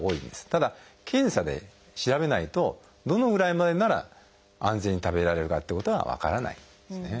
ただ検査で調べないとどのぐらいまでなら安全に食べられるかってことは分からないんですね。